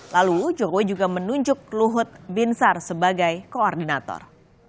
lalu jokowi juga menunjuk luhut binsar sebagai koordinator